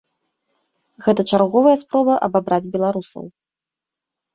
Гэта чарговая спроба абабраць беларусаў.